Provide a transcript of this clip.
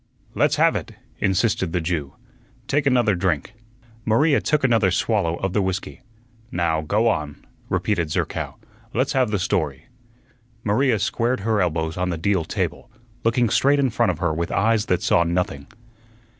"Let's have it," insisted the Jew. "Take another drink." Maria took another swallow of the whiskey. "Now, go on," repeated Zerkow; "let's have the story." Maria squared her elbows on the deal table, looking straight in front of her with eyes that saw nothing.